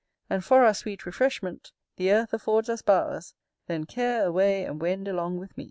And for our sweet refreshment. The earth affords us bowers: Then care away, etc.